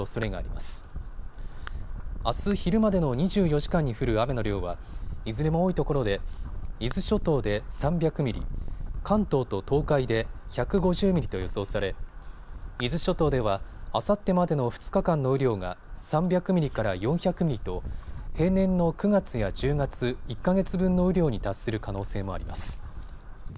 あす昼までの２４時間に降る雨の量はいずれも多いところで伊豆諸島で３００ミリ、関東と東海で１５０ミリと予想され伊豆諸島ではあさってまでの２日間の雨量が３００ミリから４００ミリと、平年の９月や１０月、１か月分の雨量に達する可能性もあります。